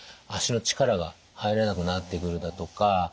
足の力が入らなくなってくるだとか